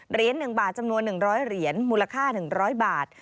เหรียญ๑บาทจำนวน๑๐๐เหรียญมูลค่า๑๐๐บาท